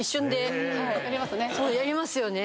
やりますよね。